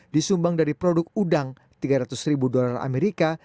disumbang dari produk udang tiga ratus ribu dolar amerika